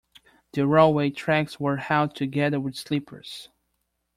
The railway tracks were held together with sleepers